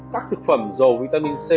các thực phẩm dầu vitamin c